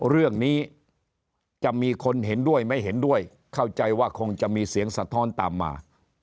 เรื่องนี้จะมีคนเห็นด้วยไม่เห็นด้วยเข้าใจว่าคงจะมีเสียงสะท้อนตามมา